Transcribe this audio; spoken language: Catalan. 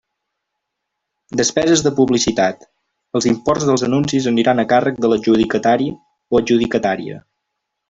Despeses de publicitat: els imports dels anuncis aniran a càrrec de l'adjudicatari o adjudicatària.